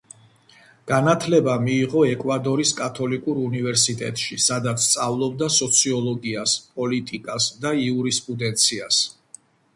განათლება მიიღო ეკვადორის კათოლიკურ უნივერსიტეტში, სადაც სწავლობდა სოციოლოგიას, პოლიტიკას და იურისპრუდენციას.